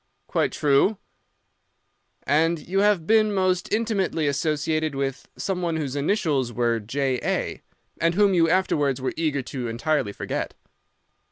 "'Quite true.' "'And you have been most intimately associated with some one whose initials were J. A., and whom you afterwards were eager to entirely forget.